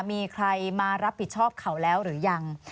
มีใครมารับผิดชอบเขาแล้วหรือยัง